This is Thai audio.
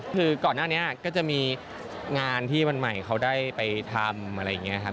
คือก่อนหน้านี้ก็จะมีงานที่วันใหม่เขาได้ไปทำอะไรอย่างนี้ครับ